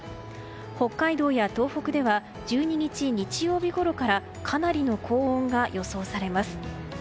北海道や東北では１２日日曜日ごろからかなりの高温が予想されます。